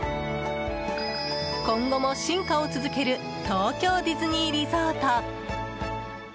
今後も進化を続ける東京ディズニーリゾート。